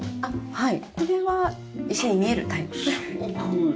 はい。